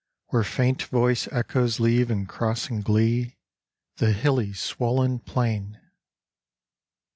Where faint voiced echoes leave and cross in glee The hilly swollen plain.